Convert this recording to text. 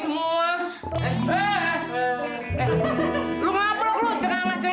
mulai bakal indah